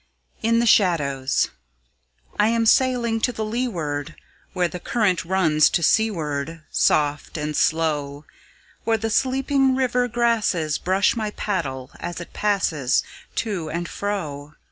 IN THE SHADOWS I am sailing to the leeward, Where the current runs to seaward Soft and slow, Where the sleeping river grasses Brush my paddle as it passes To and fro.